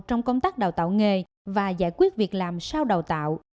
trong công tác đào tạo nghề và giải quyết việc làm sau đào tạo